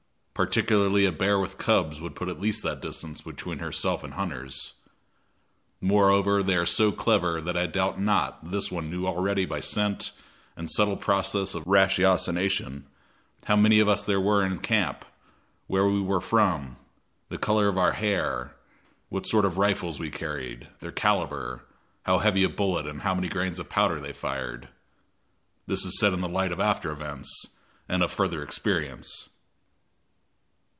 Particularly a bear with cubs would put at least that distance between herself and hunters. Moreover they are so clever that I doubt not this one knew already by scent and subtle process of ratiocination how many of us there were in camp, where we were from, the color of our hair, what sort of rifles we carried, their caliber, how heavy a bullet and how many grains of powder they fired. This is said in the light of after events and of further experience.